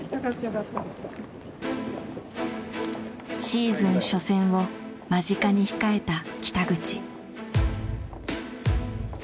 シーズン初戦を間近に控えた北口。